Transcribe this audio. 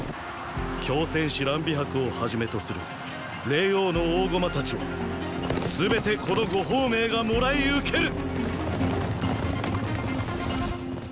狂戦士乱美迫をはじめとする霊凰の大駒たちは全てこの呉鳳明がもらい受ける！